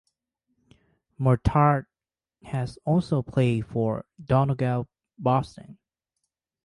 Murtagh has also played for Donegal Boston.